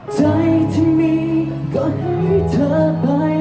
ใจที่มีก็ให้เธอไป